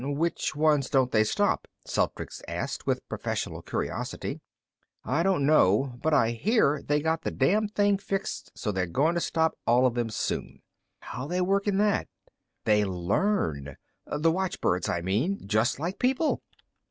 "Which ones don't they stop?" Celtrics asked, with professional curiosity. "I don't know. But I hear they got the damned things fixed so they're going to stop all of them soon." "How they working that?" "They learn. The watchbirds, I mean. Just like people."